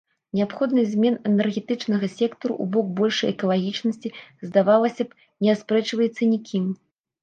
Неабходнасць змен энергетычнага сектару ў бок большай экалагічнасці, здавалася б, не аспрэчваецца ні кім.